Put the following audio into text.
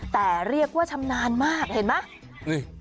แต่เรียกว่าชำนาญมากเห็นไหม